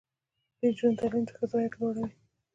د نجونو تعلیم د ښځو عاید لوړوي.